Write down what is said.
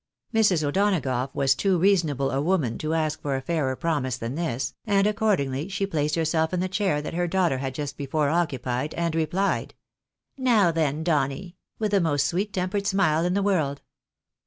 Mrs. O'Donagough was too reasonable a woman to ask for a fairer promise than this, and accordingly she placed herself in the chair that her daughter had just before occupied, and replied —" Now, then, Donny !" with the most sweet tempered smile in the world.